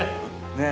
ねえ。